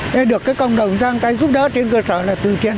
đây được cộng đồng giang tay giúp đỡ trên cơ sở là từ trên